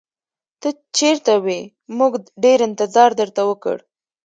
ته چېرته وې؟ موږ ډېر انتظار درته وکړ.